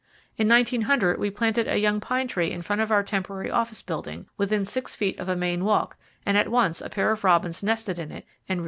In 1900 we planted a young pine tree in front of our temporary office building, within six feet of a main walk; and at once a pair of robins nested in it and reared young there.